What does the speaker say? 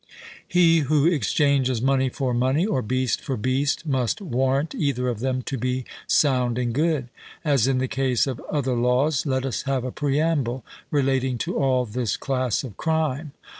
He who exchanges money for money, or beast for beast, must warrant either of them to be sound and good. As in the case of other laws, let us have a preamble, relating to all this class of crime.